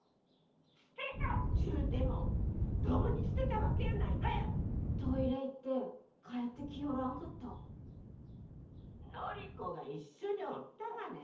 捨てたっちゅうてもドブに捨てたわけやないがやトイレ行って帰ってきよらんかったのりこが一緒におったがね